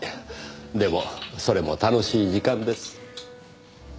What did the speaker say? でもそれも楽しい時間です。